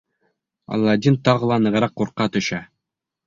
Аладдин тағы ла нығыраҡ ҡурҡа төшә.